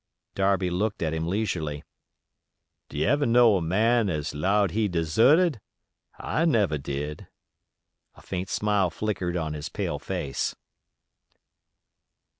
Darby looked at him leisurely. "'D you ever know a man as 'lowed he'd deserted? I never did." A faint smile flickered on his pale face.